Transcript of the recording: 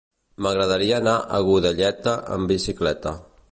M'agradaria anar a Godelleta amb bicicleta.